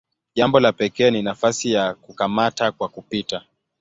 Jambo la pekee ni nafasi ya "kukamata kwa kupita".